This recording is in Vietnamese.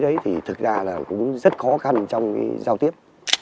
các đồng chí đấy thì thực ra là cũng rất khó khăn trong giao tiếp